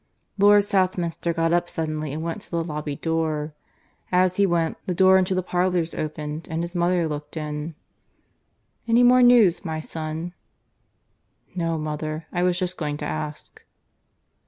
Lord Southminster got up suddenly and went to the lobby door. As he went the door into the parlours opened and his mother looked in. "Any more news, my son?" "No, mother. I was just going to ask."